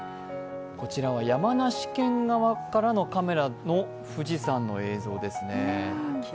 こちらは山梨県側からのカメラの富士山の映像ですね。